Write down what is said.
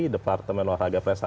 departemen olahraga pembangunan